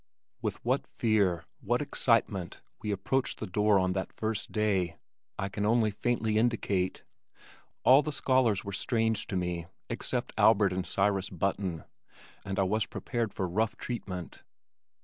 With what fear, what excitement we approached the door on that first day, I can only faintly indicate. All the scholars were strange to me except Albert and Cyrus Button, and I was prepared for rough treatment.